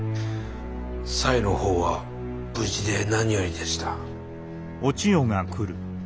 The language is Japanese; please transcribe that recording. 紗江の方は無事で何よりでした。